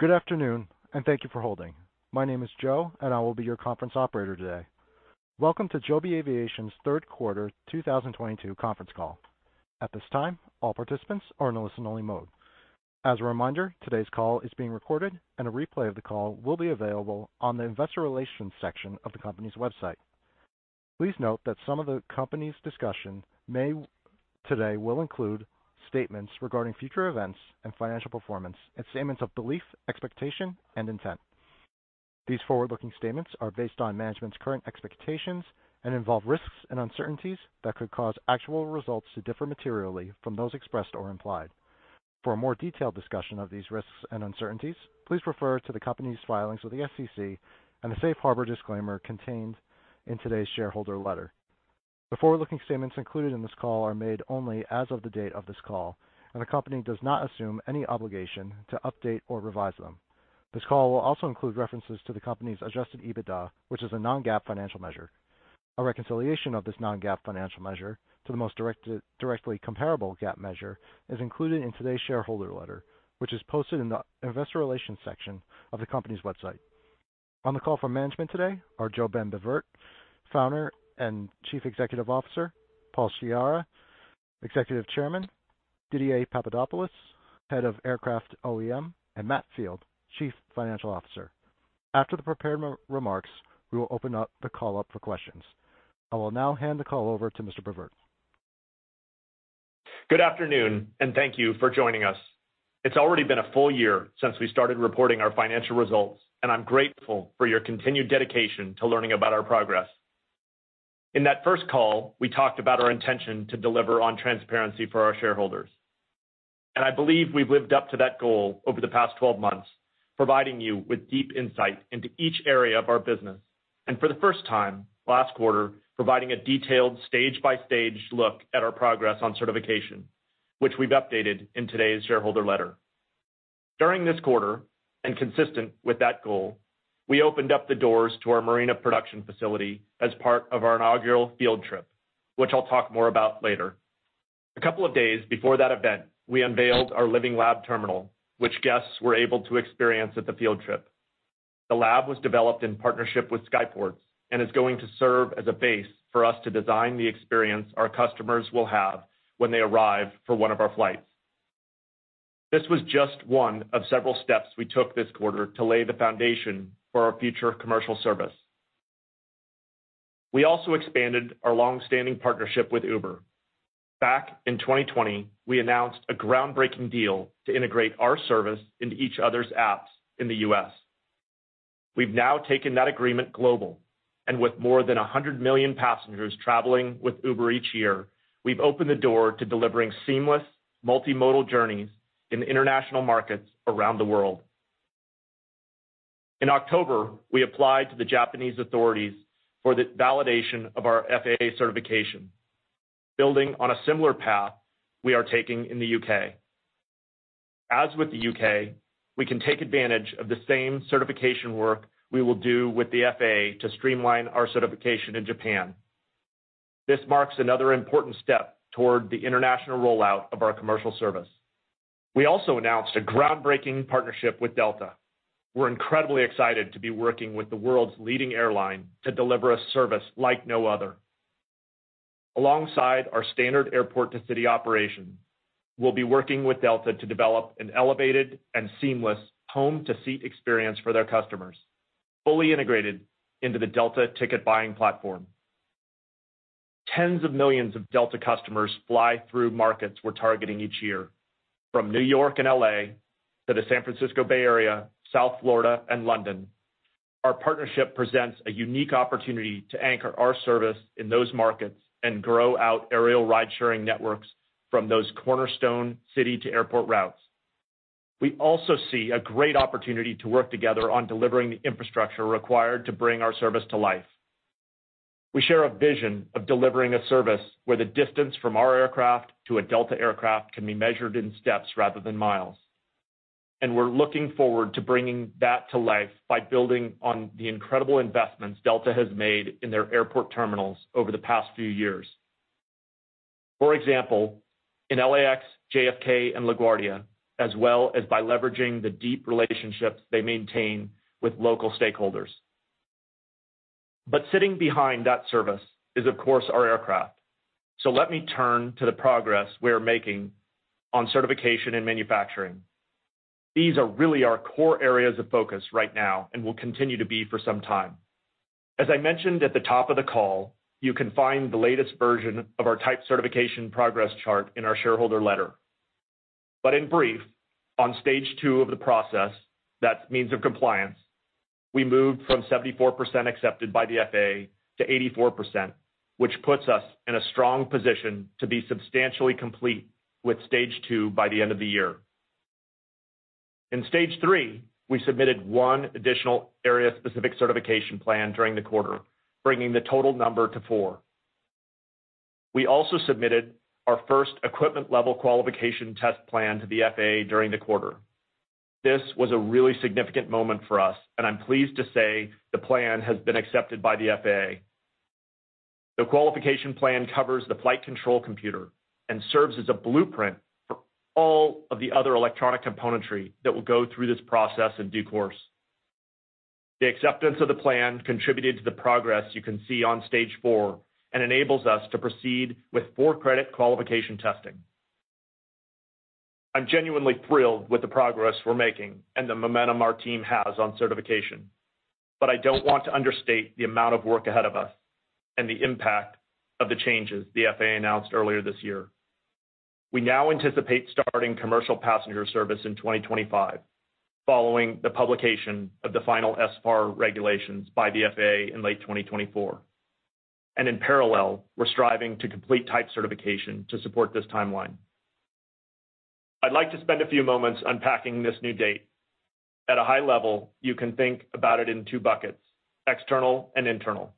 Good afternoon and thank you for holding. My name is Joe, and I will be your conference operator today. Welcome to Joby Aviation's Q3 2022 conference call. At this time, all participants are in a listen-only mode. As a reminder, today's call is being recorded, and a replay of the call will be available on the investor relations section of the company's website. Please note that some of the company's discussion today will include statements regarding future events and financial performance and statements of belief, expectation, and intent. These forward-looking statements are based on management's current expectations and involve risks and uncertainties that could cause actual results to differ materially from those expressed or implied. For a more detailed discussion of these risks and uncertainties, please refer to the company's filings with the SEC and the safe harbor disclaimer contained in today's shareholder letter. The forward-looking statements included in this call are made only as of the date of this call, and the company does not assume any obligation to update or revise them. This call will also include references to the company's adjusted EBITDA, which is a non-GAAP financial measure. A reconciliation of this non-GAAP financial measure to the most directly comparable GAAP measure is included in today's shareholder letter, which is posted in the investor relations section of the company's website. On the call from management today are JoeBen Bevirt, Founder and Chief Executive Officer, Paul Sciarra, Executive Chairman, Didier Papadopoulos, Head of Aircraft OEM, and Matt Field, Chief Financial Officer. After the prepared remarks, we will open up the call for questions. I will now hand the call over to Mr. Bevirt. Good afternoon and thank you for joining us. It's already been a full year since we started reporting our financial results, and I'm grateful for your continued dedication to learning about our progress. In that first call, we talked about our intention to deliver on transparency for our shareholders, and I believe we've lived up to that goal over the past 12 months, providing you with deep insight into each area of our business. For the first time last quarter, providing a detailed stage-by-stage look at our progress on certification, which we've updated in today's shareholder letter. During this quarter, and consistent with that goal, we opened up the doors to our Marina production facility as part of our inaugural field trip, which I'll talk more about later. A couple of days before that event, we unveiled our living lab terminal, which guests were able to experience at the field trip. The lab was developed in partnership with Skyports and is going to serve as a base for us to design the experience our customers will have when they arrive for one of our flights. This was just one of several steps we took this quarter to lay the foundation for our future commercial service. We also expanded our long-standing partnership with Uber. Back in 2020, we announced a groundbreaking deal to integrate our service into each other's apps in the U.S. We've now taken that agreement global, and with more than 100 million passengers traveling with Uber each year, we've opened the door to delivering seamless multimodal journeys in international markets around the world. In October, we applied to the Japanese authorities for the validation of our FAA certification, building on a similar path we are taking in the U.K. As with the U.K., we can take advantage of the same certification work we will do with the FAA to streamline our certification in Japan. This marks another important step toward the international rollout of our commercial service. We also announced a groundbreaking partnership with Delta. We're incredibly excited to be working with the world's leading airline to deliver a service like no other. Alongside our standard airport-to-city operation, we'll be working with Delta to develop an elevated and seamless home-to-seat experience for their customers, fully integrated into the Delta ticket buying platform. Tens of millions of Delta customers fly through markets we're targeting each year, from New York and L.A. to the San Francisco Bay Area, South Florida, and London. Our partnership presents a unique opportunity to anchor our service in those markets and grow out aerial ride-sharing networks from those cornerstone city-to-airport routes. We also see a great opportunity to work together on delivering the infrastructure required to bring our service to life. We share a vision of delivering a service where the distance from our aircraft to a Delta aircraft can be measured in steps rather than miles. We're looking forward to bringing that to life by building on the incredible investments Delta has made in their airport terminals over the past few years. For example, in LAX, JFK, and LaGuardia, as well as by leveraging the deep relationships they maintain with local stakeholders. Sitting behind that service is, of course, our aircraft. Let me turn to the progress we are making on certification and manufacturing. These are really our core areas of focus right now and will continue to be for some time. As I mentioned at the top of the call, you can find the latest version of our type certification progress chart in our shareholder letter. In brief, on stage two of the process, that's means of compliance, we moved from 74% accepted by the FAA to 84%, which puts us in a strong position to be substantially complete with stage two by the end of the year. In stage three, we submitted 1 additional area-specific certification plan during the quarter, bringing the total number to 4. We also submitted our first equipment-level qualification test plan to the FAA during the quarter. This was a really significant moment for us, and I'm pleased to say the plan has been accepted by the FAA. The qualification plan covers the flight control computer and serves as a blueprint for all of the other electronic componentry that will go through this process in due course. The acceptance of the plan contributed to the progress you can see on stage 4 and enables us to proceed with 4-credit qualification testing. I'm genuinely thrilled with the progress we're making and the momentum our team has on certification. I don't want to understate the amount of work ahead of us and the impact of the changes the FAA announced earlier this year. We now anticipate starting commercial passenger service in 2025 following the publication of the final SFAR regulations by the FAA in late 2024. In parallel, we're striving to complete type certification to support this timeline. I'd like to spend a few moments unpacking this new date. At a high level, you can think about it in two buckets, external and internal.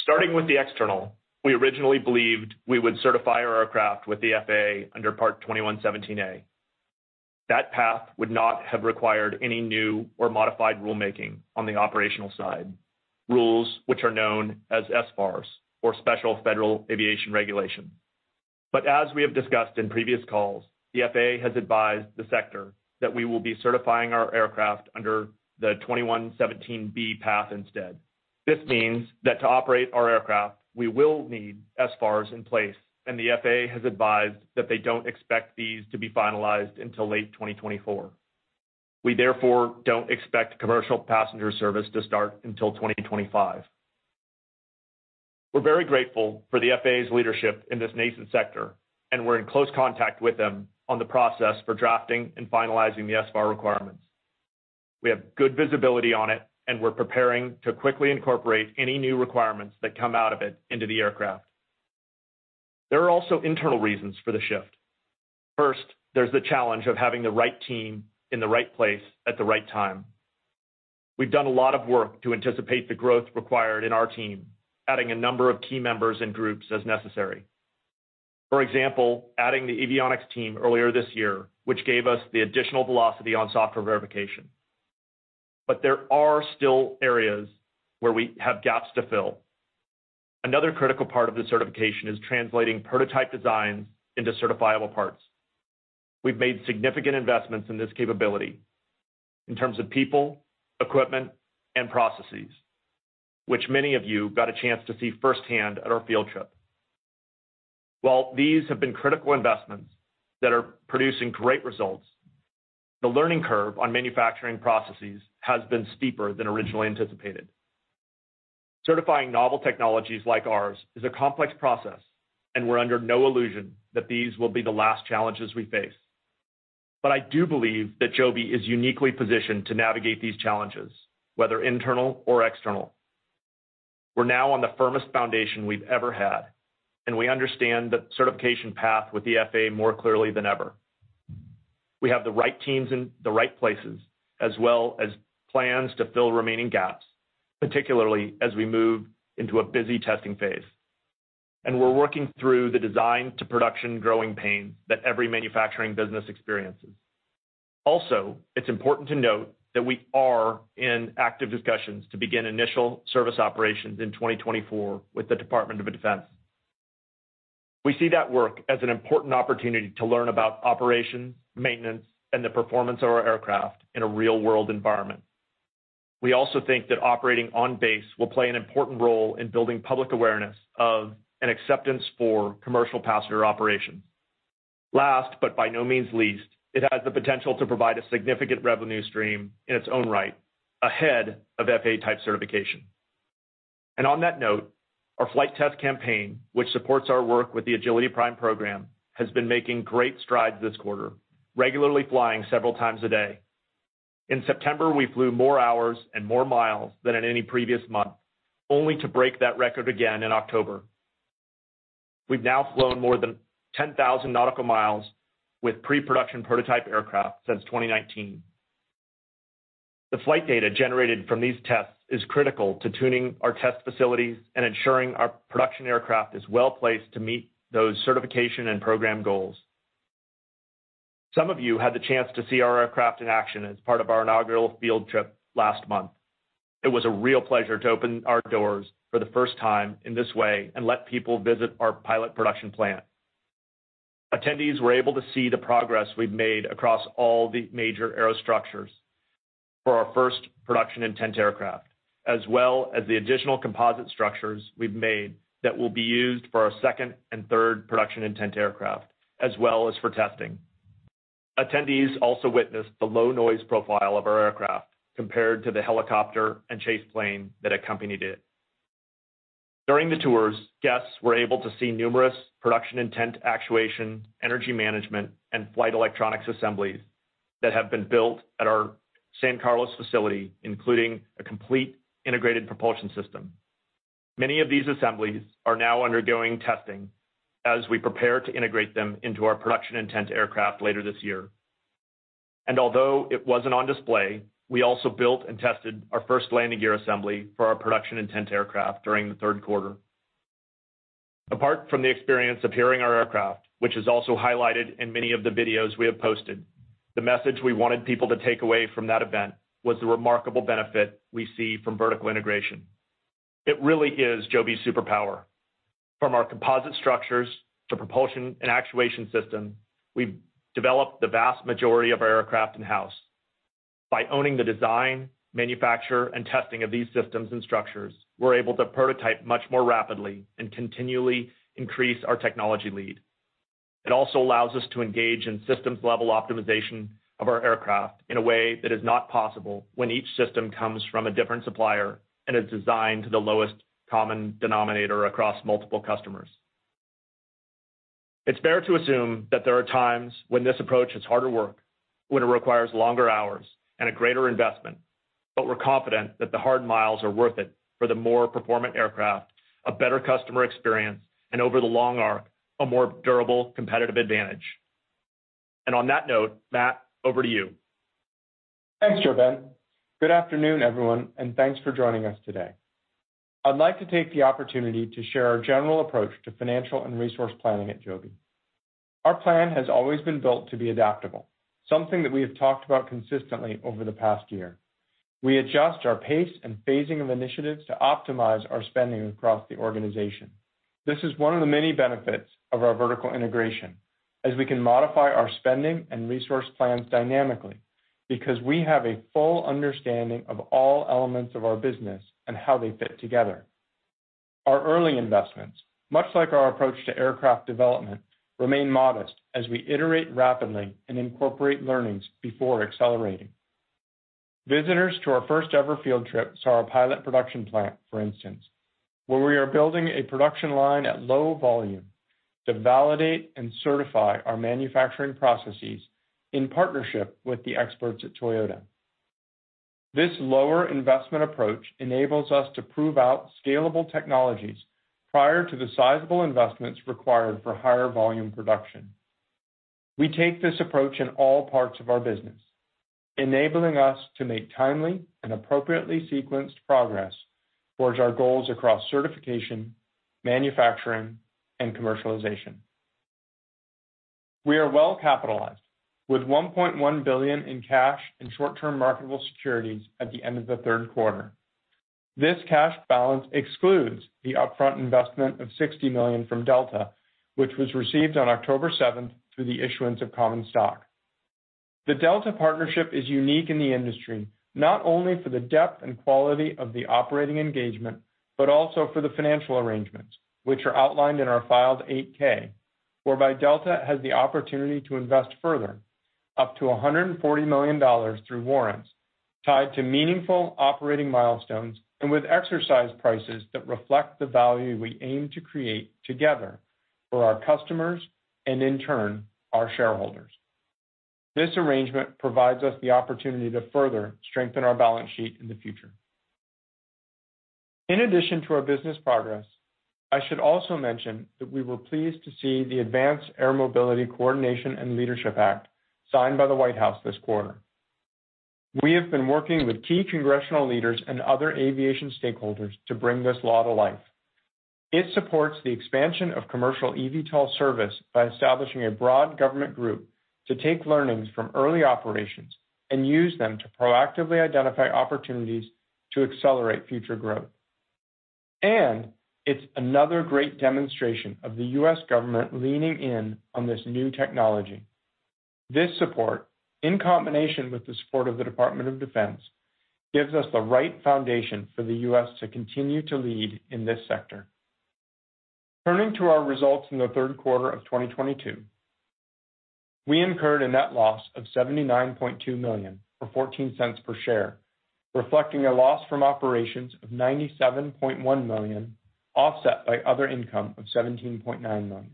Starting with the external, we originally believed we would certify our aircraft with the FAA under Part 21.17(a). That path would not have required any new or modified rulemaking on the operational side, rules which are known as SFARs or Special Federal Aviation Regulations. But as we have discussed in previous calls, the FAA has advised the sector that we will be certifying our aircraft under the 21.17(b) path instead. This means that to operate our aircraft, we will need SFARs in place, and the FAA has advised that they don't expect these to be finalized until late 2024. We therefore don't expect commercial passenger service to start until 2025. We're very grateful for the FAA's leadership in this nascent sector, and we're in close contact with them on the process for drafting and finalizing the SFAR requirements. We have good visibility on it, and we're preparing to quickly incorporate any new requirements that come out of it into the aircraft. There are also internal reasons for the shift. First, there's the challenge of having the right team in the right place at the right time. We've done a lot of work to anticipate the growth required in our team, adding a number of key members and groups as necessary. For example, adding the avionics team earlier this year, which gave us the additional velocity on software verification. There are still areas where we have gaps to fill. Another critical part of the certification is translating prototype designs into certifiable parts. We've made significant investments in this capability in terms of people, equipment, and processes, which many of you got a chance to see firsthand at our field trip. While these have been critical investments that are producing great results, the learning curve on manufacturing processes has been steeper than originally anticipated. Certifying novel technologies like ours is a complex process, and we're under no illusion that these will be the last challenges we face. I do believe that Joby is uniquely positioned to navigate these challenges, whether internal or external. We're now on the firmest foundation we've ever had, and we understand the certification path with the FAA more clearly than ever. We have the right teams in the right places, as well as plans to fill remaining gaps, particularly as we move into a busy testing phase. We're working through the design-to-production growing pain that every manufacturing business experiences. Also, it's important to note that we are in active discussions to begin initial service operations in 2024 with the Department of Defense. We see that work as an important opportunity to learn about operations, maintenance, and the performance of our aircraft in a real-world environment. We also think that operating on base will play an important role in building public awareness of and acceptance for commercial passenger operations. Last, but by no means least, it has the potential to provide a significant revenue stream in its own right ahead of FAA type certification. On that note, our flight test campaign, which supports our work with the Agility Prime program, has been making great strides this quarter, regularly flying several times a day. In September, we flew more hours and more miles than in any previous month, only to break that record again in October. We've now flown more than 10,000 nautical miles with pre-production prototype aircraft since 2019. The flight data generated from these tests is critical to tuning our test facilities and ensuring our production aircraft is well-placed to meet those certification and program goals. Some of you had the chance to see our aircraft in action as part of our inaugural field trip last month. It was a real pleasure to open our doors for the first time in this way and let people visit our pilot production plant. Attendees were able to see the progress we've made across all the major aerostructures for our first production intent aircraft, as well as the additional composite structures, we've made that will be used for our second and third production intent aircraft, as well as for testing. Attendees also witnessed the low noise profile of our aircraft compared to the helicopter and chase plane that accompanied it. During the tours, guests were able to see numerous production intent actuation, energy management, and flight electronics assemblies that have been built at our San Carlos facility, including a complete integrated propulsion system. Many of these assemblies are now undergoing testing as we prepare to integrate them into our production intent aircraft later this year. Although it wasn't on display, we also built and tested our first landing gear assembly for our production intent aircraft during the Q3. Apart from the experience of hearing our aircraft, which is also highlighted in many of the videos we have posted, the message we wanted people to take away from that event was the remarkable benefit we see from vertical integration. It really is Joby's superpower. From our composite structures to propulsion and actuation system, we've developed the vast majority of our aircraft in-house. By owning the design, manufacture, and testing of these systems and structures, we're able to prototype much more rapidly and continually increase our technology lead. It also allows us to engage in systems-level optimization of our aircraft in a way that is not possible when each system comes from a different supplier and is designed to the lowest common denominator across multiple customers. It's fair to assume that there are times when this approach is harder work, when it requires longer hours and a greater investment, but we're confident that the hard miles are worth it for the more performant aircraft, a better customer experience, and over the long arc, a more durable competitive advantage. On that note, Matt, over to you. Thanks, JoeBen. Good afternoon, everyone, and thanks for joining us today. I'd like to take the opportunity to share our general approach to financial and resource planning at Joby. Our plan has always been built to be adaptable, something that we have talked about consistently over the past year. We adjust our pace and phasing of initiatives to optimize our spending across the organization. This is one of the many benefits of our vertical integration, as we can modify our spending and resource plans dynamically because we have a full understanding of all elements of our business and how they fit together. Our early investments, much like our approach to aircraft development, remain modest as we iterate rapidly and incorporate learnings before accelerating. Visitors to our first-ever field trip saw our pilot production plant, for instance, where we are building a production line at low volume to validate and certify our manufacturing processes in partnership with the experts at Toyota. This lower investment approach enables us to prove out scalable technologies prior to the sizable investments required for higher volume production. We take this approach in all parts of our business, enabling us to make timely and appropriately sequenced progress towards our goals across certification, manufacturing, and commercialization. We are well-capitalized, with $1.1 billion in cash and short-term marketable securities at the end of the Q3. This cash balance excludes the upfront investment of $60 million from Delta, which was received on October 7 through the issuance of common stock. The Delta partnership is unique in the industry, not only for the depth and quality of the operating engagement, but also for the financial arrangements, which are outlined in our filed 8-K, whereby Delta has the opportunity to invest further, up to $140 million through warrants tied to meaningful operating milestones and with exercise prices that reflect the value we aim to create together for our customers and, in turn, our shareholders. This arrangement provides us the opportunity to further strengthen our balance sheet in the future. In addition to our business progress, I should also mention that we were pleased to see the Advanced Air Mobility Coordination and Leadership Act Signed by the White House this quarter. We have been working with key congressional leaders and other aviation stakeholders to bring this law to life. It supports the expansion of commercial eVTOL service by establishing a broad government group to take learnings from early operations and use them to proactively identify opportunities to accelerate future growth. It's another great demonstration of the U.S. government leaning in on this new technology. This support, in combination with the support of the Department of Defense, gives us the right foundation for the U.S. to continue to lead in this sector. Turning to our results in the Q3 of 2022. We incurred a net loss of $79.2 million, or $0.14 per share, reflecting a loss from operations of $97.1 million, offset by other income of $17.9 million.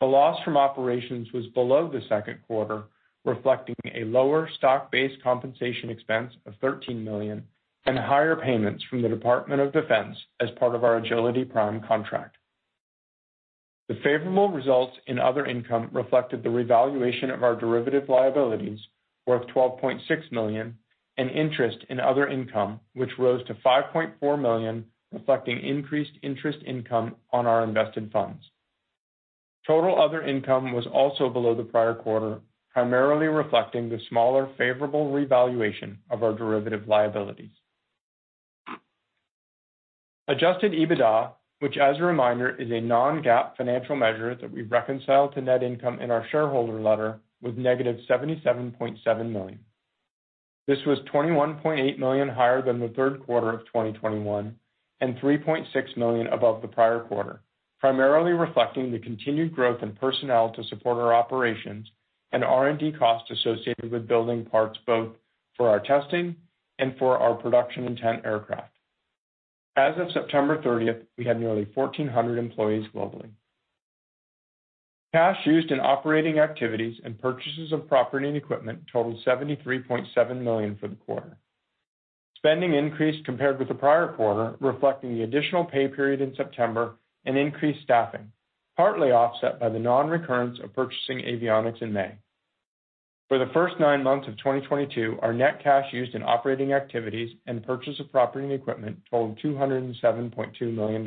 The loss from operations was below the Q2, reflecting a lower stock-based compensation expense of $13 million and higher payments from the Department of Defense as part of our Agility Prime contract. The favorable results in other income reflected the revaluation of our derivative liabilities worth $12.6 million and interest in other income, which rose to $5.4 million, reflecting increased interest income on our invested funds. Total other income was also below the prior quarter, primarily reflecting the smaller favorable revaluation of our derivative liabilities. Adjusted EBITDA, which as a reminder, is a non-GAAP financial measure that we reconcile to net income in our shareholder letter, was negative $77.7 million. This was $21.8 million higher than the Q3 of 2021 and $3.6 million above the prior quarter. Primarily reflecting the continued growth in personnel to support our operations and R&D costs associated with building parts both for our testing and for our production intent aircraft. As of September 30, we had nearly 1,400 employees globally. Cash used in operating activities and purchases of property and equipment totaled $73.7 million for the quarter. Spending increased compared with the prior quarter, reflecting the additional pay period in September and increased staffing, partly offset by the non-recurrence of purchasing avionics in May. For the first nine months of 2022, our net cash used in operating activities and purchase of property and equipment totaled $207.2 million.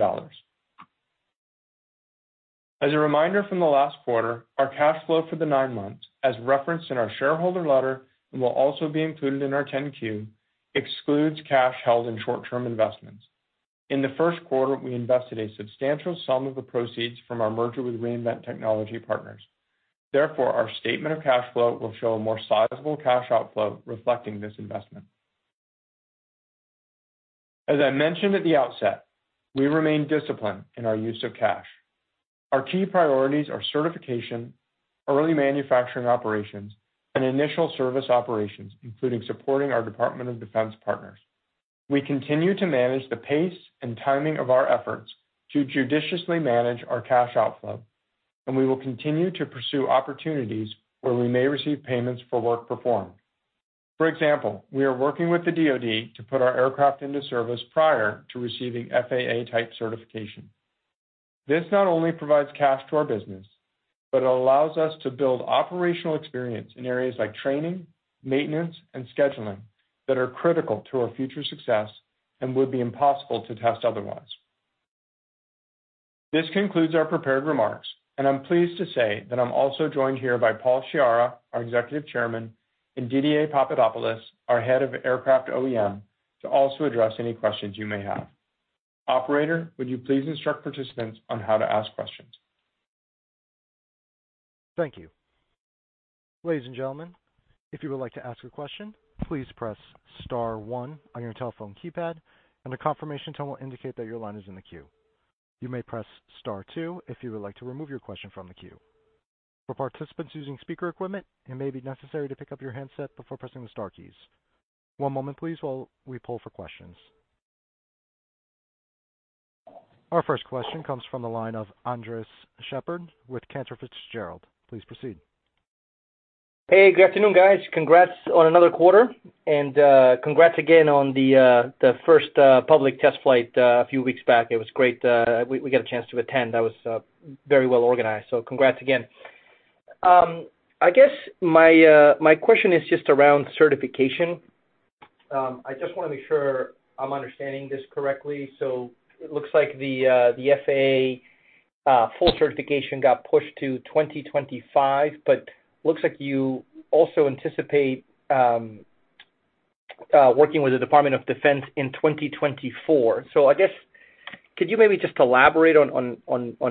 As a reminder from the last quarter, our cash flow for the nine months, as referenced in our shareholder letter and will also be included in our 10-Q, excludes cash held in short-term investments. In the Q1, we invested a substantial sum of the proceeds from our merger with Reinvent Technology Partners. Therefore, our statement of cash flow will show a more sizable cash outflow reflecting this investment. As I mentioned at the outset, we remain disciplined in our use of cash. Our key priorities are certification, early manufacturing operations, and initial service operations, including supporting our Department of Defense partners. We continue to manage the pace and timing of our efforts to judiciously manage our cash outflow, and we will continue to pursue opportunities where we may receive payments for work performed. For example, we are working with the DoD to put our aircraft into service prior to receiving FAA type certification. This not only provides cash to our business, but it allows us to build operational experience in areas like training, maintenance, and scheduling that are critical to our future success and would be impossible to test otherwise. This concludes our prepared remarks, and I'm pleased to say that I'm also joined here by Paul Sciarra, our Executive Chairman, and Didier Papadopoulos, our Head of Aircraft OEM, to also address any questions you may have. Operator, would you please instruct participants on how to ask questions? Thank you. Ladies and gentlemen, if you would like to ask a question, please press star one on your telephone keypad, and a confirmation tone will indicate that your line is in the queue. You may press star two if you would like to remove your question from the queue. For participants using speaker equipment, it may be necessary to pick up your handset before pressing the star keys. One moment, please, while we poll for questions. Our first question comes from the line of Andres Sheppard with Cantor Fitzgerald. Please proceed. Hey, good afternoon, guys. Congrats on another quarter and, congrats again on the first public test flight a few weeks back. It was great. We got a chance to attend. That was very well organized. Congrats again. I guess my question is just around certification. I just wanna make sure I'm understanding this correctly. It looks like the FAA full certification got pushed to 2025 but looks like you also anticipate working with the Department of Defense in 2024. I guess could you maybe just elaborate on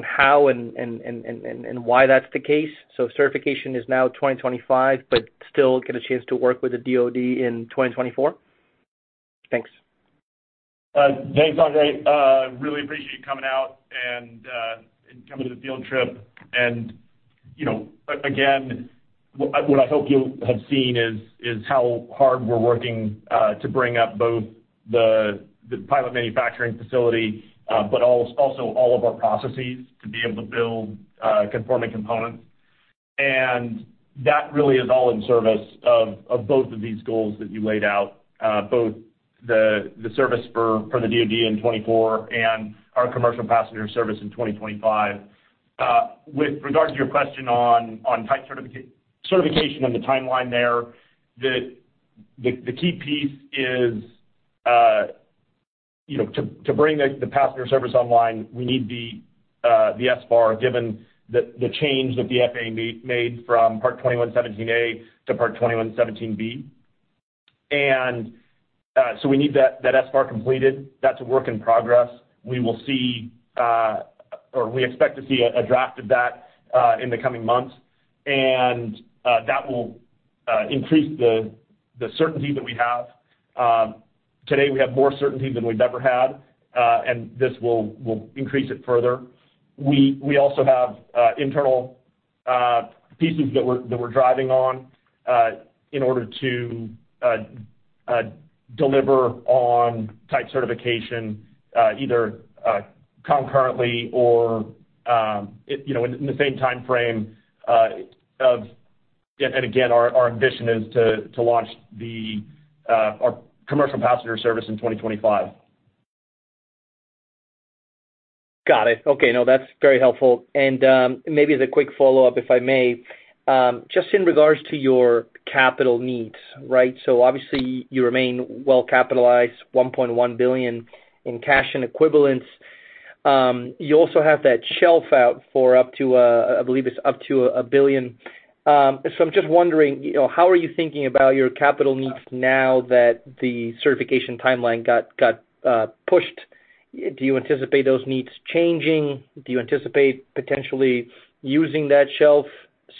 how and why that's the case? Certification is now 2025, but still get a chance to work with the DoD in 2024? Thanks. Thanks, Andres. Really appreciate you coming out and coming to the field trip. You know, again, what I hope you have seen is how hard we're working to bring up both the pilot manufacturing facility but also all of our processes to be able to build conforming components. That really is all in service of both of these goals that you laid out, both the service for the DoD in 2024 and our commercial passenger service in 2025. With regard to your question on type certification and the timeline there, the key piece is, you know, to bring the passenger service online, we need the SFAR given the change that the FAA made from Part 21.17(a) to Part 21.17(b). We need that SFAR completed. That's a work in progress. We will see or we expect to see a draft of that in the coming months. That will increase the certainty that we have. Today we have more certainty than we've ever had, and this will increase it further. We also have internal pieces that we're driving on in order to deliver on type certification, either concurrently or, you know, in the same timeframe. Again, our ambition is to launch our commercial passenger service in 2025. Got it. Okay. No, that's very helpful. Maybe as a quick follow-up, if I may, just in regard to your capital needs, right? Obviously, you remain well capitalized, $1.1 billion in cash and equivalents. You also have that shelf out for up to, I believe it's up to $1 billion. I'm just wondering, you know, how are you thinking about your capital needs now that the certification timeline got pushed? Do you anticipate those needs changing? Do you anticipate potentially using that shelf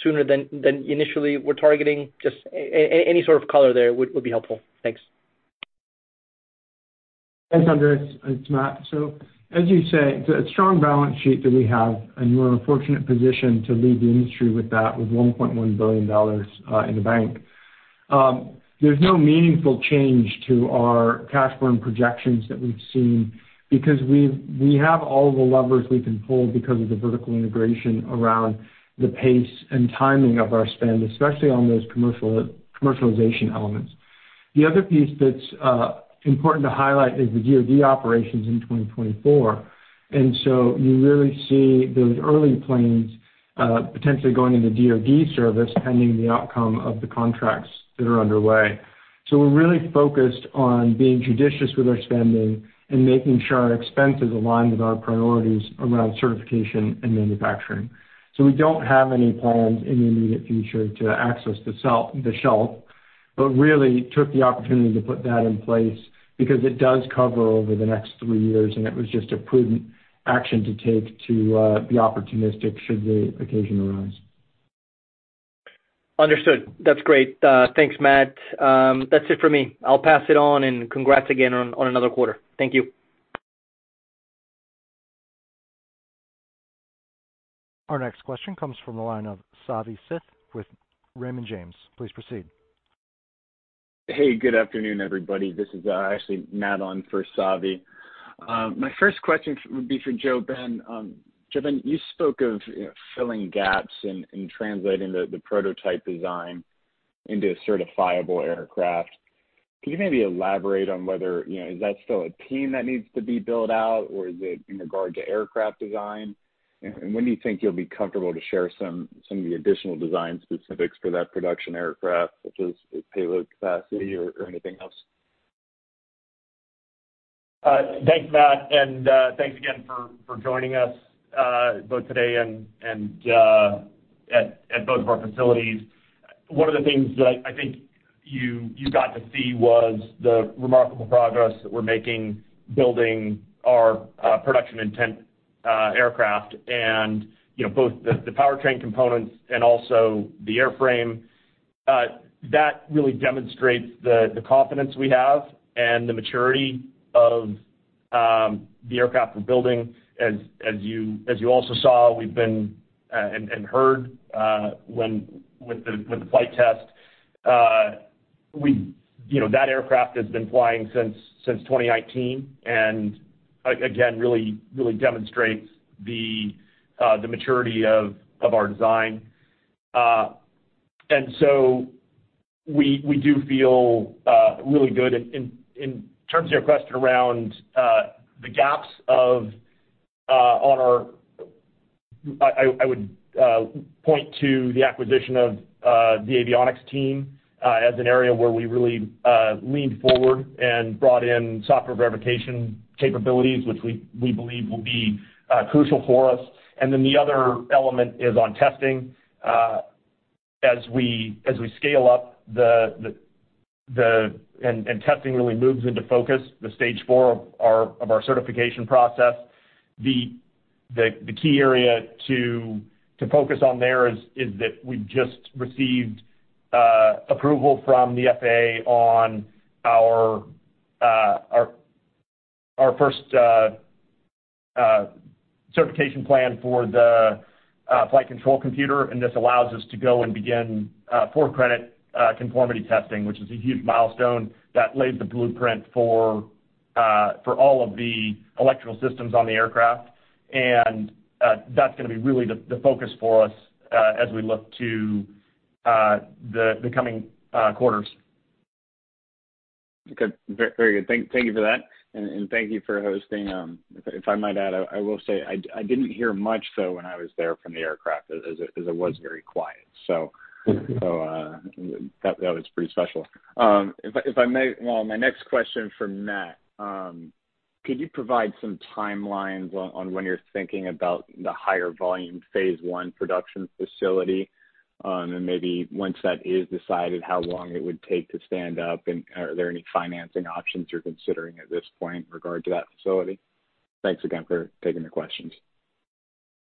sooner than you initially were targeting? Just any sort of color there would be helpful. Thanks. Thanks, Andres. It's Matt. As you say, it's a strong balance sheet that we have, and we're in a fortunate position to lead the industry with that, with $1.1 billion in the bank. There's no meaningful change to our cash burn projections that we've seen because we have all the levers we can pull because of the vertical integration around the pace and timing of our spend, especially on those commercial commercialization elements. The other piece that's important to highlight is the DoD operations in 2024. You really see those early planes potentially going into DoD service pending the outcome of the contracts that are underway. We're really focused on being judicious with our spending and making sure our expenses align with our priorities around certification and manufacturing. We don't have any plans in the immediate future to access the shelf but really took the opportunity to put that in place because it does cover over the next three years, and it was just a prudent action to take to be opportunistic should the occasion arise. Understood. That's great. Thanks, Matt. That's it for me. I'll pass it on, and congrats again on another quarter. Thank you. Our next question comes from the line of Savanthi Syth with Raymond James. Please proceed. Hey, good afternoon, everybody. This is actually Matt on for Savi. My first question would be for JoeBen. JoeBen, you spoke of filling gaps in translating the prototype design into a certifiable aircraft. Can you maybe elaborate on whether, you know, is that still a team that needs to be built out, or is it in regard to aircraft design? And when do you think you'll be comfortable to share some of the additional design specifics for that production aircraft, such as its payload capacity or anything else? Thanks, Matt, and thanks again for joining us both today and at both of our facilities. One of the things that I think you got to see was the remarkable progress that we're making building our production intent aircraft and, you know, both the powertrain components and also the airframe. That really demonstrates the confidence we have and the maturity of the aircraft we're building. As you also saw, we've seen and heard with the flight test you know that aircraft has been flying since 2019 and again really demonstrates the maturity of our design. We do feel really good. In terms of your question around the gaps of on our. I would point to the acquisition of the avionics team as an area where we really leaned forward and brought in software verification capabilities, which we believe will be crucial for us. The other element is on testing. As we scale up, testing really moves into focus in stage four of our certification process. The key area to focus on there is that we've just received approval from the FAA on our first certification plan for the flight control computer, and this allows us to go and begin for-credit conformity testing, which is a huge milestone that lays the blueprint for all of the electrical systems on the aircraft. That's gonna be really the focus for us as we look to the coming quarters. Okay. Very good. Thank you for that, and thank you for hosting. If I might add, I will say I didn't hear much so when I was there from the aircraft as it was very quiet. That was pretty special. If I may, well, my next question for Matt, could you provide some timelines on when you're thinking about the higher volume phase one production facility? Maybe once that is decided, how long it would take to stand up, and are there any financing options you're considering at this point in regard to that facility? Thanks again for taking the questions.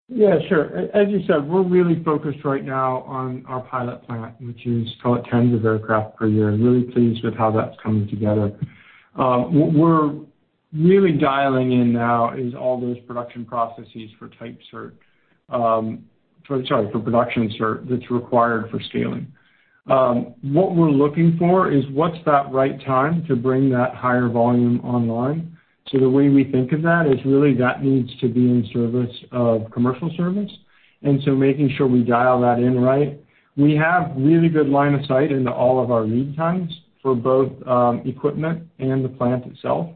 Yeah, sure. As you said, we're really focused right now on our pilot plant, which is call it tens of aircraft per year, and really pleased with how that's coming together. What we're really dialing in now is all those production processes for type cert. Sorry, for Production Certificate that's required for scaling. What we're looking for is what's that right time to bring that higher volume online. The way we think of that is really that needs to be in service of commercial service. Making sure we dial that in right. We have really good line of sight into all of our lead times for both, equipment and the plant itself.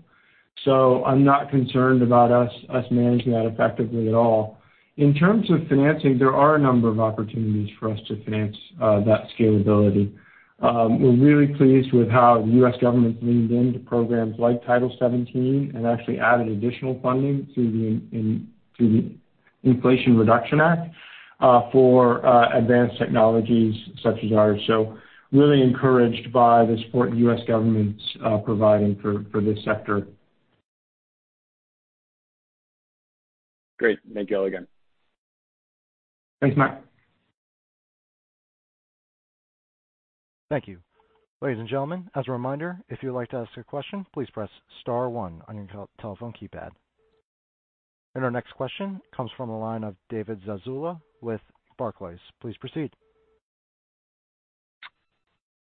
I'm not concerned about us managing that effectively at all. In terms of financing, there are a number of opportunities for us to finance that scalability. We're really pleased with how the U.S. government leaned into programs like Title 17 and actually added additional funding through the Inflation Reduction Act for advanced technologies such as ours. Really encouraged by the support U.S. government's providing for this sector. Great. Thank you all again. Thanks, Matt. Thank you. Ladies and gentlemen, as a reminder, if you would like to ask a question, please press star one on your telephone keypad. Our next question comes from the line of David Zazula with Barclays. Please proceed.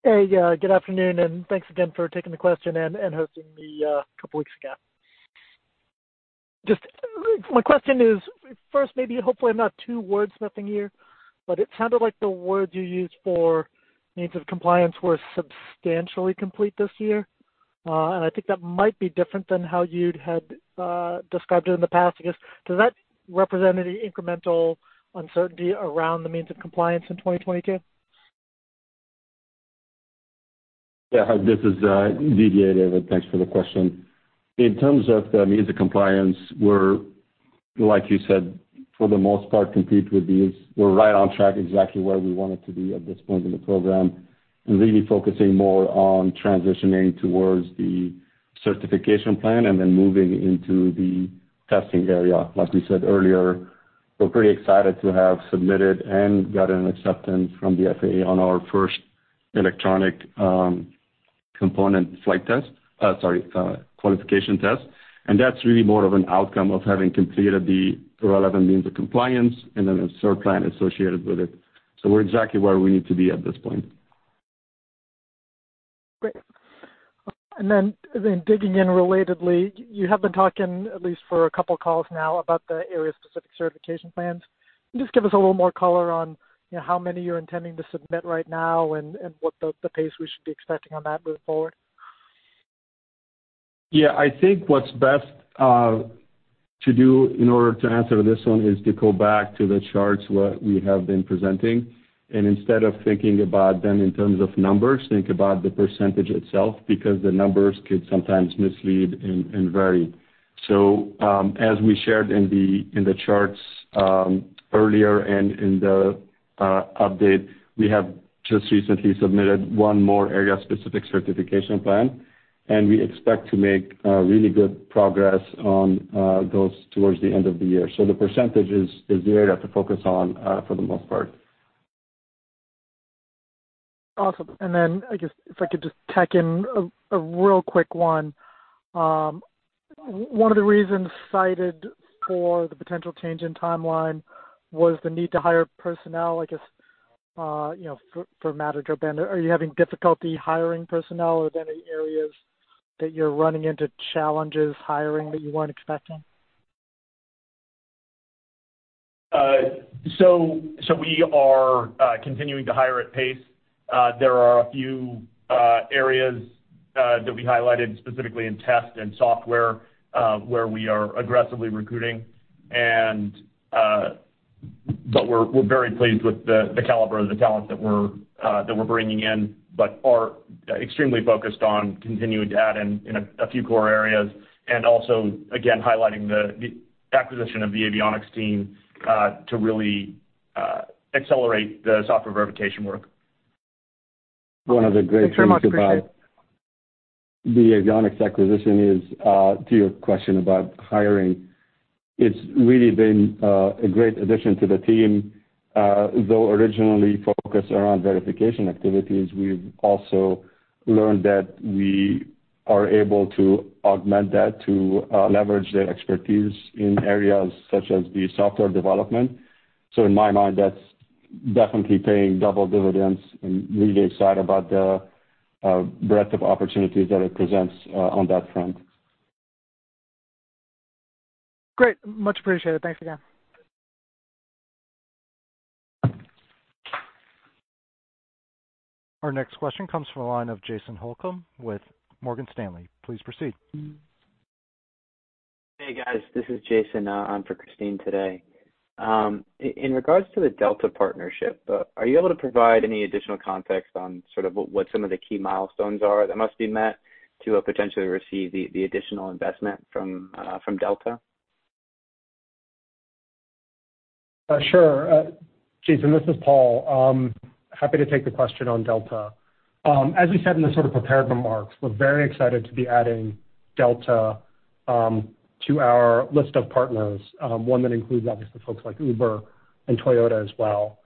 Hey, good afternoon, and thanks again for taking the question and hosting a couple weeks ago. Just my question is first, maybe hopefully I'm not too wordsmithing here, but it sounded like the words you used for means of compliance were substantially complete this year. I think that might be different than how you'd had described it in the past, I guess. Does that represent any incremental uncertainty around the means of compliance in 2022? Yeah. Hi, this is Didier. David. Thanks for the question. In terms of the means of compliance, we're, like you said, for the most part, complete with these. We're right on track, exactly where we want it to be at this point in the program and really focusing more on transitioning towards the certification plan and then moving into the testing area. Like we said earlier, we're pretty excited to have submitted and gotten acceptance from the FAA on our first electronic component qualification test. That's really more of an outcome of having completed the relevant means of compliance and then a cert plan associated with it. We're exactly where we need to be at this point. Great. Digging in relatedly, you have been talking at least for a couple of calls now about the Area-Specific Certification Plans. Can you just give us a little more color on, you know, how many you're intending to submit right now and what the pace we should be expecting on that moving forward? Yeah. I think what's best to do in order to answer this one is to go back to the charts what we have been presenting, and instead of thinking about them in terms of numbers, think about the percentage itself, because the numbers could sometimes mislead and vary. As we shared in the charts earlier and in the update, we have just recently submitted one more Area-Specific Certification Plan, and we expect to make really good progress on those towards the end of the year. The percentage is the area to focus on for the most part. Awesome. I guess if I could just tack in a real quick one. One of the reasons cited for the potential change in timeline was the need to hire personnel, I guess, you know, for Matt or JoeBen. Are you having difficulty hiring personnel? Are there any areas that you're running into challenges hiring that you weren't expecting? We are continuing to hire at pace. There are a few areas that we highlighted specifically in test and software where we are aggressively recruiting. We're very pleased with the caliber of the talent that we're bringing in, but are extremely focused on continuing to add in a few core areas and also again highlighting the acquisition of the avionics team to really accelerate the software verification work. One of the great things about. Thanks very much. Appreciate it. The avionics acquisition is to your question about hiring. It's really been a great addition to the team. Though originally focused around verification activities, we've also learned that we are able to augment that to leverage their expertise in areas such as the software development. In my mind, that's definitely paying double dividends and really excited about the breadth of opportunities that it presents on that front. Great. Much appreciated. Thanks again. Our next question comes from the line of Jason Holcomb with Morgan Stanley. Please proceed. Hey, guys, this is Jason. On for Christine today. In regards to the Delta partnership, are you able to provide any additional context on sort of what some of the key milestones are that must be met to potentially receive the additional investment from Delta? Sure. Jason, this is Paul. Happy to take the question on Delta. As we said in the sort of prepared remarks, we're very excited to be adding Delta to our list of partners, one that includes obviously folks like Uber and Toyota as well.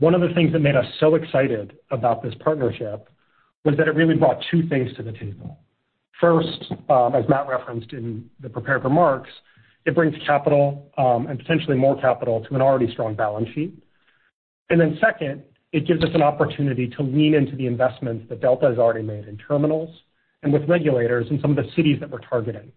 One of the things that made us so excited about this partnership was that it really brought two things to the table. First, as Matt referenced in the prepared remarks, it brings capital, and potentially more capital to an already strong balance sheet. Second, it gives us an opportunity to lean into the investments that Delta has already made in terminals and with regulators in some of the cities that we're targeting.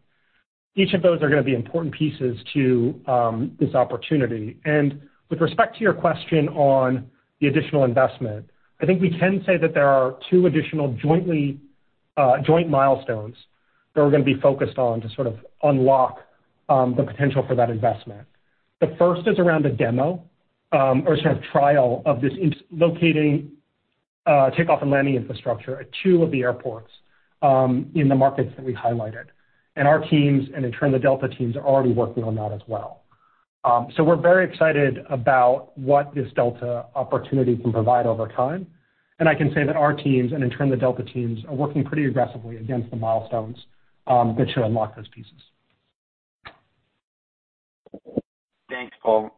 Each of those are gonna be important pieces to this opportunity. With respect to your question on the additional investment, I think we can say that there are two additional joint milestones that we're gonna be focused on to sort of unlock the potential for that investment. The first is around a demo or sort of trial of this in locating takeoff and landing infrastructure at two of the airports in the markets that we highlighted. Our teams, and in turn, the Delta teams are already working on that as well. We're very excited about what this Delta opportunity can provide over time. I can say that our teams, and in turn the Delta teams, are working pretty aggressively against the milestones that should unlock those pieces. Thanks, Paul.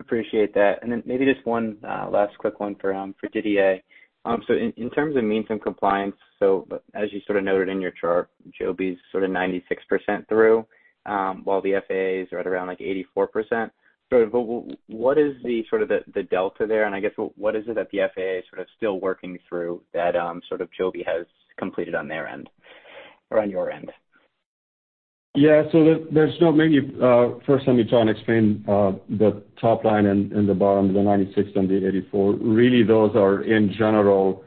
Appreciate that. Maybe just one last quick one for Didier. In terms of means of compliance, as you sort of noted in your chart, Joby's sort of 96% through, while the FAA is right around, like, 84%. What is the sort of delta there? I guess what is it that the FAA is sort of still working through that sort of Joby has completed on their end or on your end? First, let me try and explain the top line and the bottom, the 96 and the 84. Really, those are in general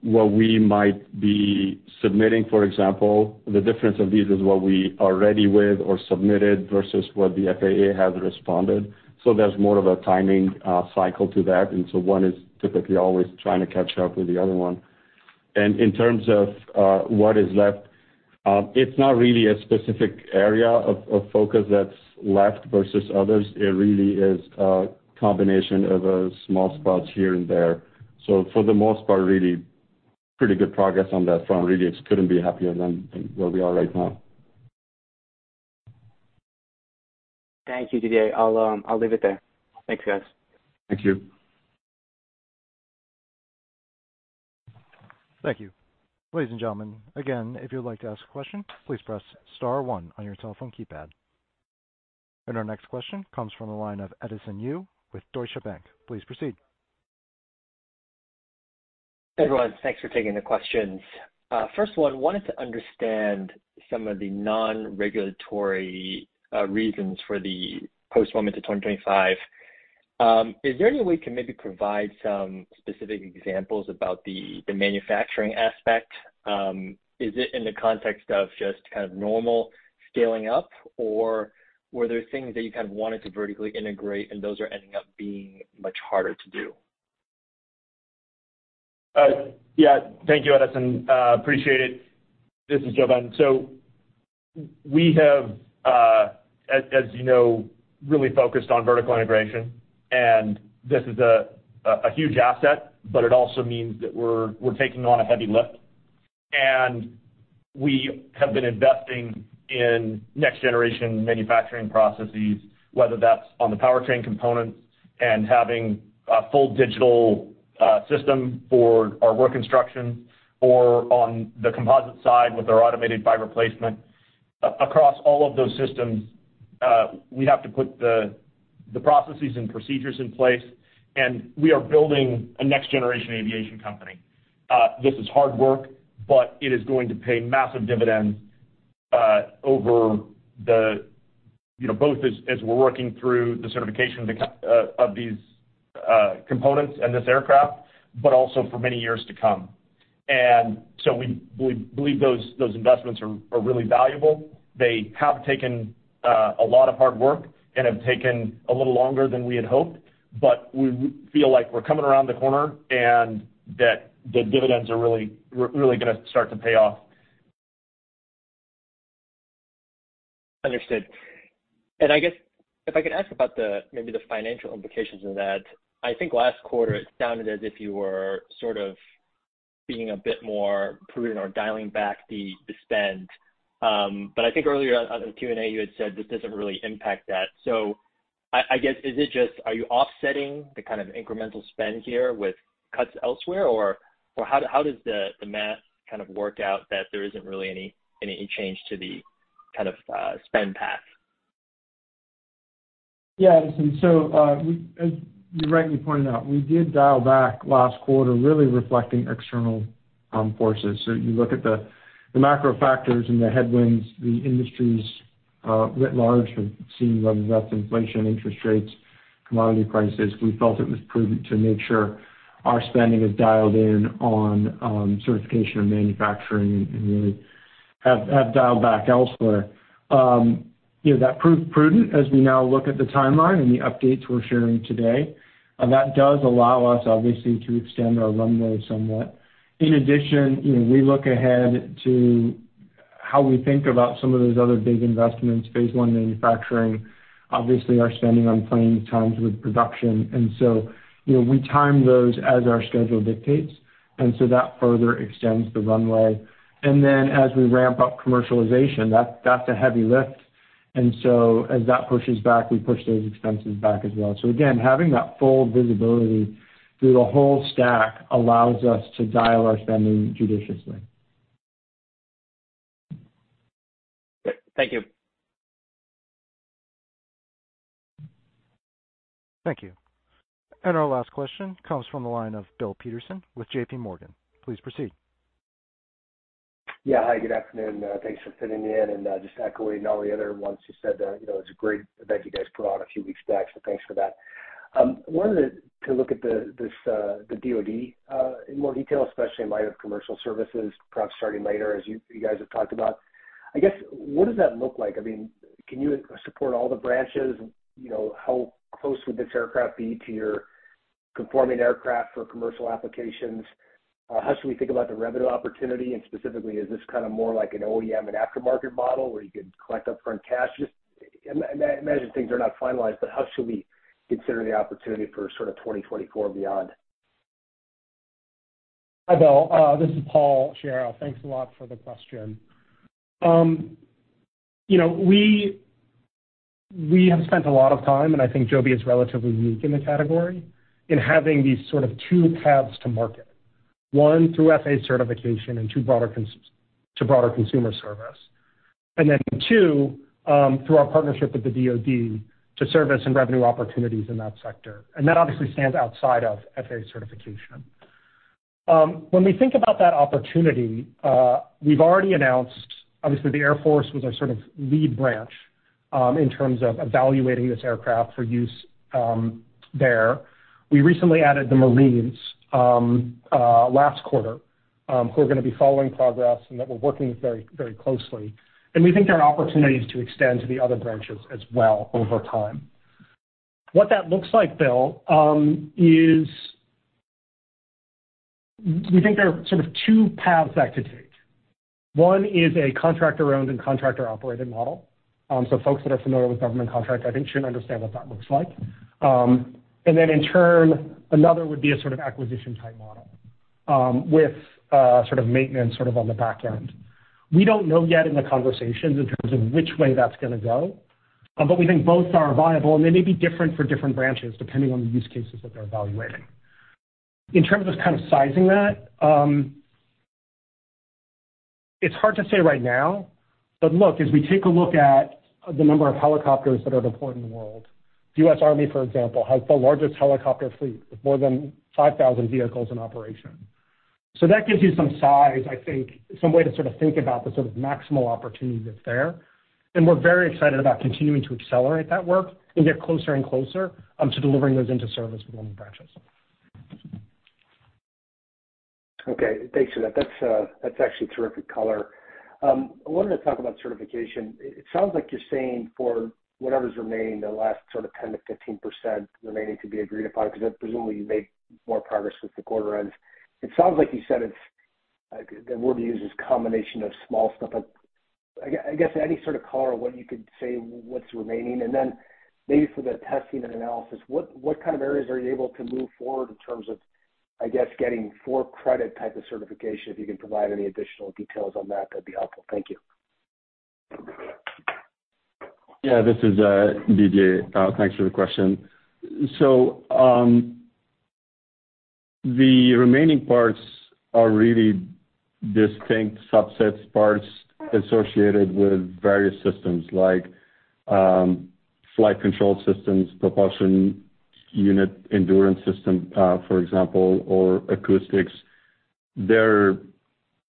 what we might be submitting, for example. The difference of these is what we are ready with or submitted versus what the FAA has responded. There's more of a timing cycle to that, and one is typically always trying to catch up with the other one. In terms of what is left, it's not really a specific area of focus that's left versus others. It really is a combination of small spots here and there. For the most part, really pretty good progress on that front. Really just couldn't be happier than where we are right now. Thank you, Didier. I'll leave it there. Thanks, guys. Thank you. Thank you. Ladies and gentlemen, again, if you'd like to ask a question, please press star one on your telephone keypad. Our next question comes from the line of Edison Yu with Deutsche Bank. Please proceed. Everyone, thanks for taking the questions. First of all, I wanted to understand some of the non-regulatory reasons for the postponement to 2025. Is there any way you can maybe provide some specific examples about the manufacturing aspect? Is it in the context of just kind of normal scaling up? Or were there things that you kind of wanted to vertically integrate and those are ending up being much harder to do? Yeah. Thank you, Edison. Appreciate it. This is Joe Ben. We have, as you know, really focused on vertical integration, and this is a huge asset, but it also means that we're taking on a heavy lift. We have been investing in next-generation manufacturing processes, whether that's on the powertrain components and having a full digital system for our airframe construction or on the composite side with our automated fiber placement. Across all of those systems, we have to put the processes and procedures in place, and we are building a next-generation aviation company. This is hard work, but it is going to pay massive dividends over the you know both as we're working through the certification of these components and this aircraft, but also for many years to come. We believe those investments are really valuable. They have taken a lot of hard work and have taken a little longer than we had hoped, but we feel like we're coming around the corner and that the dividends are really gonna start to pay off. Understood. I guess if I could ask about the, maybe the financial implications of that. I think last quarter it sounded as if you were sort of being a bit more prudent or dialing back the spend. I think earlier on the Q&A you had said this doesn't really impact that. I guess, is it just, are you offsetting the kind of incremental spend here with cuts elsewhere? How does the math kind of work out that there isn't really any change to the kind of spend path? Yeah, Edison Yu. So, as you rightly pointed out, we did dial back last quarter, really reflecting external forces. You look at the macro factors and the headwinds the industries writ large are seeing, whether that's inflation, interest rates, commodity prices. We felt it was prudent to make sure our spending is dialed in on certification and manufacturing, and really have dialed back elsewhere. You know, that proved prudent as we now look at the timeline and the updates we're sharing today. That does allow us, obviously, to extend our runway somewhat. In addition, you know, we look ahead to how we think about some of those other big investments. Phase one manufacturing, obviously our spending on planning times with production. You know, we time those as our schedule dictates, and that further extends the runway. As we ramp up commercialization, that's a heavy lift. As that pushes back, we push those expenses back as well. Again, having that full visibility through the whole stack allows us to dial our spending judiciously. Great. Thank you. Thank you. Our last question comes from the line of Bill Peterson with J.P. Morgan. Please proceed. Yeah. Hi, good afternoon. Thanks for fitting me in. Just echoing all the other ones who said that, you know, it's a great event you guys put on a few weeks back, so thanks for that. Wanted to look at the DoD in more detail, especially in light of commercial services perhaps starting later as you guys have talked about. I guess, what does that look like? I mean, can you support all the branches? You know, how close would this aircraft be to your conforming aircraft for commercial applications? How should we think about the revenue opportunity? And specifically, is this kind of more like an OEM and aftermarket model where you could collect upfront cash? Just imagine things are not finalized, but how should we consider the opportunity for sort of 2024 and beyond? Hi, Bill. This is Paul Sciarra. Thanks a lot for the question. You know, we have spent a lot of time, and I think Joby is relatively unique in the category, in having these sort of two paths to market. One, through FAA certification, and two, broader consumer service. Then two, through our partnership with the DoD to service and revenue opportunities in that sector. That obviously stands outside of FAA certification. When we think about that opportunity, we've already announced obviously the Air Force was our sort of lead branch in terms of evaluating this aircraft for use there. We recently added the Marines last quarter, who are gonna be following progress and that we're working with very, very closely. We think there are opportunities to extend to the other branches as well over time. What that looks like, Bill, is we think there are sort of two paths that could take. One is a contractor-owned and contractor-operated model. Folks that are familiar with government contracts I think should understand what that looks like. In turn, another would be a sort of acquisition type model with sort of maintenance sort of on the back end. We don't know yet in the conversations in terms of which way that's gonna go, but we think both are viable, and they may be different for different branches depending on the use cases that they're evaluating. In terms of kind of sizing that, it's hard to say right now. Look, as we take a look at the number of helicopters that are deployed in the world, the U.S. Army, for example, has the largest helicopter fleet with more than 5,000 vehicles in operation. So that gives you some size, I think, some way to sort of think about the sort of maximal opportunity that's there. We're very excited about continuing to accelerate that work and get closer and closer, to delivering those into service with branches. Okay. Thanks for that. That's actually terrific color. I wanted to talk about certification. It sounds like you're saying for whatever's remaining, the last sort of 10 to 15% remaining to be agreed upon, cause presumably you made more progress with the quarter ends. It sounds like you said it's the word you used is combination of small stuff. I guess any sort of color on what you could say what's remaining. Then maybe for the testing and analysis, what kind of areas are you able to move forward in terms of, I guess, getting for credit type of certification? If you can provide any additional details on that'd be helpful. Thank you. Yeah. This is Didier. Thanks for the question. The remaining parts are really distinct subset parts associated with various systems like flight control systems, propulsion unit, endurance system, for example, or acoustics. They're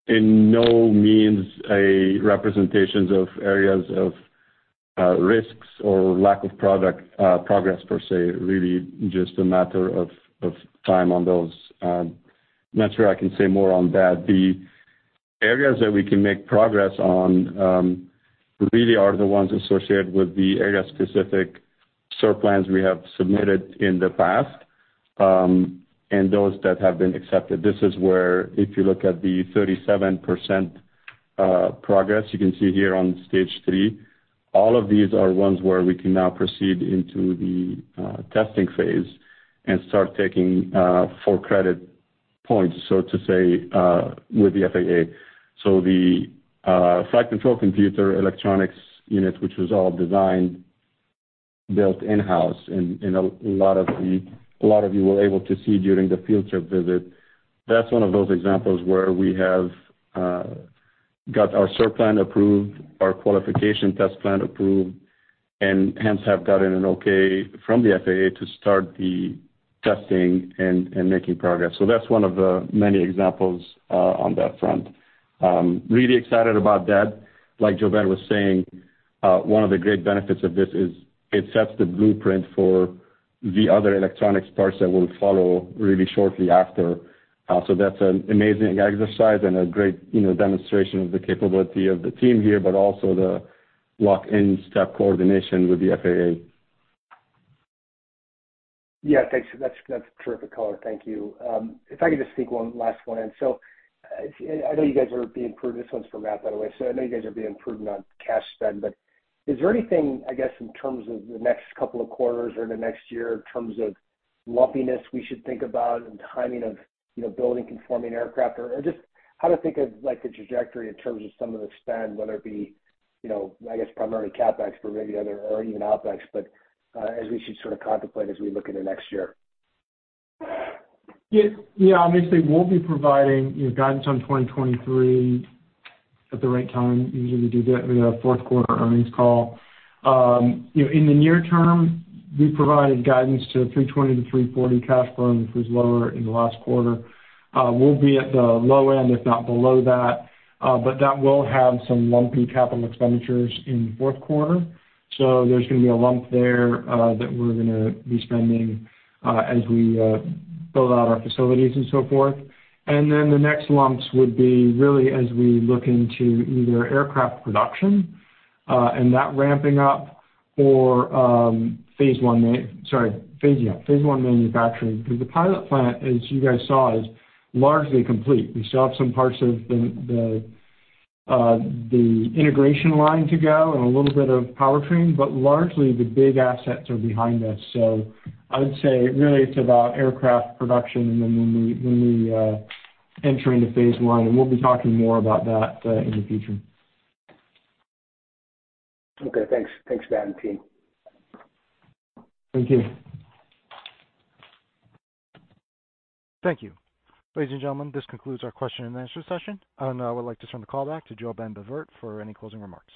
by no means a representation of areas of risks or lack of progress per se, really just a matter of time on those. I'm not sure I can say more on that. The areas that we can make progress on really are the ones associated with the area-specific cert plans we have submitted in the past and those that have been accepted. This is where if you look at the 37% progress, you can see here on stage three, all of these are ones where we can now proceed into the testing phase and start taking full credit points, so to say, with the FAA. The flight control computer electronics unit, which was all designed, built in-house, and a lot of you were able to see during the field trip visit. That's one of those examples where we have got our cert plan approved, our qualification test plan approved, and hence have gotten an okay from the FAA to start the testing and making progress. That's one of the many examples on that front. Really excited about that. Like JoeBen Bevirt was saying, one of the great benefits of this is it sets the blueprint for the other electronics parts that will follow really shortly after. That's an amazing exercise and a great, you know, demonstration of the capability of the team here, but also the lockstep coordination with the FAA. Yeah. Thanks. That's terrific color. Thank you. If I could just sneak one last one in. This one's for Matt, by the way. I know you guys are improving on cash spend, but is there anything, I guess, in terms of the next couple of quarters or the next year in terms of lumpiness we should think about and timing of, you know, building conforming aircraft? Or just how to think of, like, the trajectory in terms of some of the spend, whether it be, you know, I guess primarily CapEx but maybe other or even OpEx, but as we should sort of contemplate as we look into next year? Obviously, we'll be providing, you know, guidance on 2023 at the right time. Usually, we do that in our Q4 earnings call. In the near term, we provided guidance to $320 to 340 million cash burn, which was lower in the last quarter. We'll be at the low end, if not below that, but that will have some lumpy capital expenditures in Q4. There's gonna be a lump there, that we're gonna be spending, as we build out our facilities and so forth. Then the next lumps would be really as we look into either aircraft production and that ramping up or phase one manufacturing. Because the pilot plant, as you guys saw, is largely complete. We still have some parts of the integration line to go and a little bit of powertrain, but largely the big assets are behind us. I would say really it's about aircraft production and then when we enter into phase one, and we'll be talking more about that in the future. Okay, thanks. Thanks, Matt and team. Thank you. Thank you. Ladies and gentlemen, this concludes our question and answer session. I would like to turn the call back to JoeBen Bevirt for any closing remarks.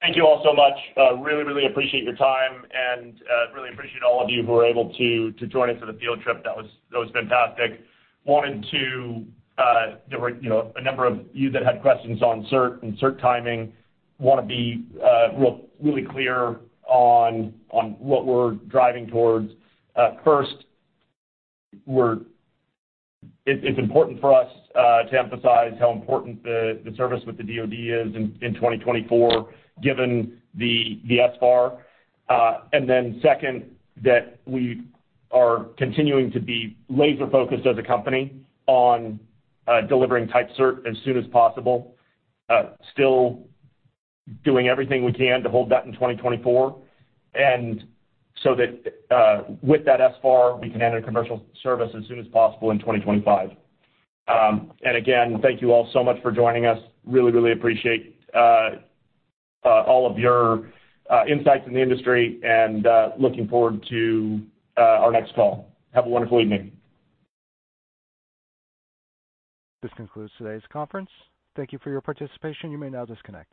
Thank you all so much. Really appreciate your time and really appreciate all of you who were able to join us for the field trip. That was fantastic. Wanted to there were you know a number of you that had questions on cert and cert timing. Wanna be really clear on what we're driving towards. First, it's important for us to emphasize how important the service with the DoD is in 2024, given the SFAR. Second, that we are continuing to be laser-focused as a company on delivering type cert as soon as possible. Still doing everything we can to hold that in 2024. That with that SFAR, we can enter commercial service as soon as possible in 2025. Again, thank you all so much for joining us. Really appreciate all of your insights in the industry, looking forward to our next call. Have a wonderful evening. This concludes today's conference. Thank you for your participation. You may now disconnect.